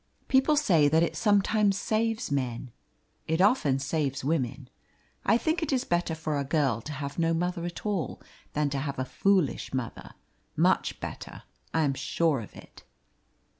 People say that it sometimes saves men. It often saves women. I think it is better for a girl to have no mother at all than to have a foolish mother, much better, I am sure of it."